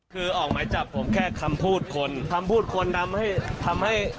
คือออกหมายจับผมแค่คำพูดคนคำพูดคนทำให้ทำให้